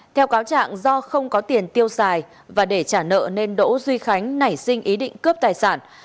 theo cáo trạng do không có tiền tiêu xài và để trả nợ nên đỗ duy khánh nảy sinh ý định cướp tài sản